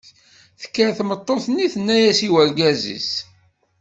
Tekker tmeṭṭut-nni tenna-as i urgaz-is.